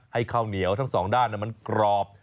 ข้าวเหนียวทั้งสองด้านมันกรอบ